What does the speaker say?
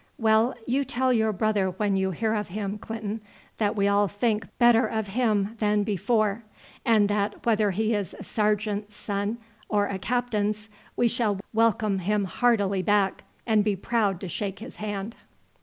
Well, you tell your brother when you hear of him, Clinton, that we all think better of him than before, and that whether he is a sergeant's son or a captain's we shall welcome him heartily back, and be proud to shake his hand."